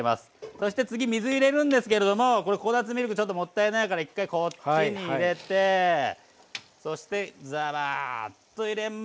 そして次水入れるんですけれどもこれココナツミルクちょっともったいないから１回こっちに入れてそしてザバーッと入れますと。